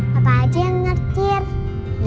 papa aja yang ngertir